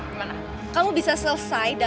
gimana kamu bisa selesai